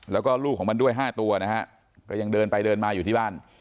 แล้วก็ลูกของมันด้วย๕ตัวนะฮะก็ยังเดินไปเดินมาอยู่ที่บ้าน